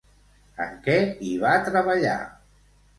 En què hi va treballar?